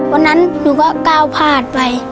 วันนั้นหนูก็ก้าวพลาดไป